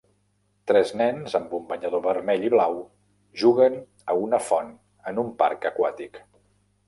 Tres nens amb un banyador vermell i blau juguen a una font en un parc aquàtic.